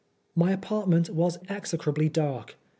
My apartment was execrably dark.